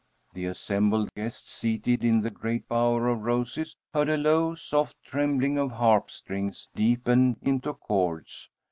The assembled guests seated in the great bower of roses heard a low, soft trembling of harp strings deepen into chords.